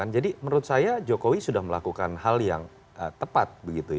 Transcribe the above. jadi menurut saya jokowi sudah melakukan hal yang tepat